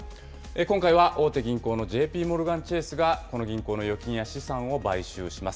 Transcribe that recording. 今回は大手銀行のＪＰモルガン・チェースが、この銀行の預金や資産を買収します。